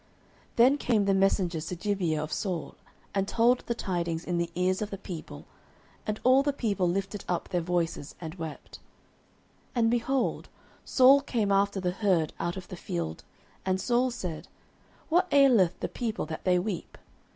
09:011:004 Then came the messengers to Gibeah of Saul, and told the tidings in the ears of the people: and all the people lifted up their voices, and wept. 09:011:005 And, behold, Saul came after the herd out of the field; and Saul said, What aileth the people that they weep?